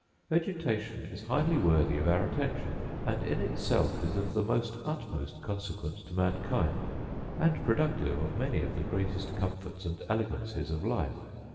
Vegetation is highly worthy of our attention; and in itself is of the utmost consequence to mankind, and productive of many of the greatest comforts and elegancies of life.